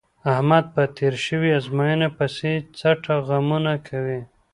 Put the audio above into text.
احمد په تېره شوې ازموینه پسې څټه غمونه کوي.